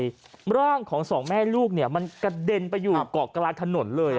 ใช่ร่างของสองแม่ลูกเนี่ยมันกระเด็นไปอยู่เกาะกลางถนนเลย